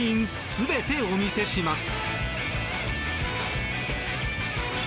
全てお見せします。